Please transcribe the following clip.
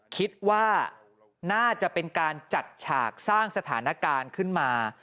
คิดว่าน่าจะเป็นการจัดฉากสร้างสถานการณ์ขึ้นมา